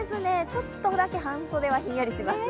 ちょっとだけ半袖はひんやりします。